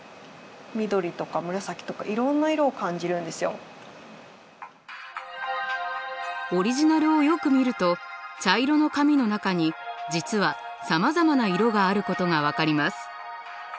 例えばオリジナルをよく見ると茶色の髪の中に実はさまざまな色があることが分かります。